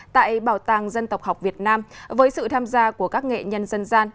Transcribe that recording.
tại bảo tàng dân tộc học việt nam với sự tham gia của các nghệ nhân dân gian